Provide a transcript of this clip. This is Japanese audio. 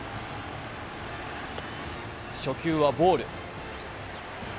初球はボール。